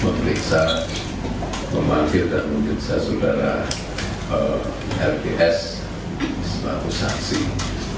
pemeriksaan memaklumkan dan menjelaskan saudara rps di sebuah usaha singk